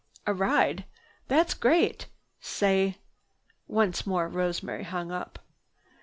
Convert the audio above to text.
"A ride? That's great! Say—" Once more Rosemary hung up.